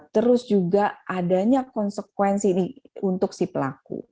terus juga adanya konsekuensi nih untuk si pelaku